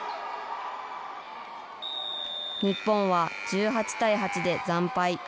日本は１８対８で惨敗。